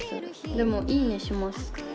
でも、いいねします。